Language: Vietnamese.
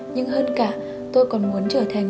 nhưng hơn cả tôi còn muốn trở thành